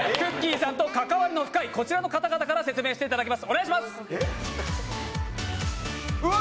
さんと関わりの深いこちらの方々から説明していただきます。